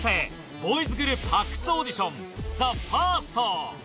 ボーイズグループ発掘オーディション、ＴＨＥＦＩＲＳＴ。